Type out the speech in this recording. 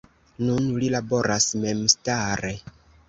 Nun li laboras memstare.